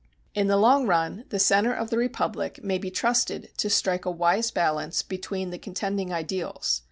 In the long run the "Center of the Republic" may be trusted to strike a wise balance between the contending ideals.